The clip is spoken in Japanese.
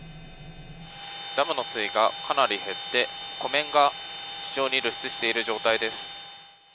ダムの水位がかなり減って、湖面が非常に露出している状態です。